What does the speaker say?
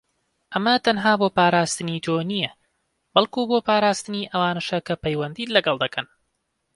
ئەمە تەنها بۆ پاراستنی تۆ نیە، بەڵکو بۆ پاراستنی ئەوانەشە کە پیوەندیت لەگەڵ دەکەن.